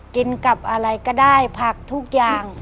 กินกับอะไรก็ได้ผักทุกอย่าง